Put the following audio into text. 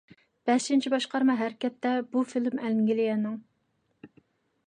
«بەشىنچى باشقارما ھەرىكەتتە»، بۇ فىلىم ئەنگلىيەنىڭ.